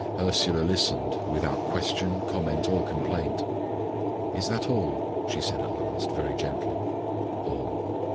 Ursula listened, without question, comment, or complaint. "Is that all?" she said at last, very gently. "All."